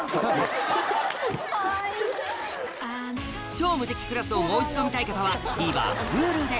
『超無敵クラス』をもう一度見たい方はＴＶｅｒＨｕｌｕで